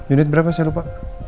unit berapa sih lupa